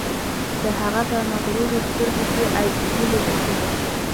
د هغه په مغرورو سترګو کې عاجزی لیدل کیده